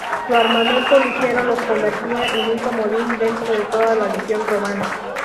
Su armamento ligero los convertía en un comodín dentro de toda legión romana.